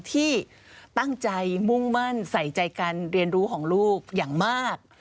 ที่ตั้งใจมุ่งมั่นใส่ใจการเรียนรู้ของลูกอย่างมาก